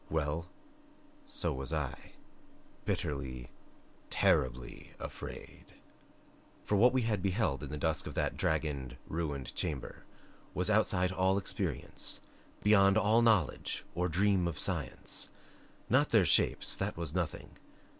Well so was I. Bitterly, TERRIBLY afraid. For what we had beheld in the dusk of that dragoned, ruined chamber was outside all experience, beyond all knowledge or dream of science. Not their shapes that was nothing.